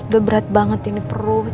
udah berat banget ini perut